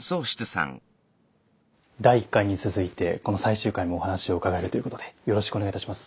第一回に続いてこの最終回もお話を伺えるということでよろしくお願いいたします。